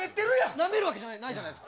なめるわけないじゃないです